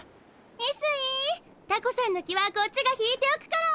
翡翠タコさんの気はこっちが引いておくから！